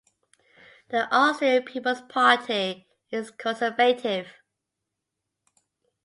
The Austrian People's Party is conservative.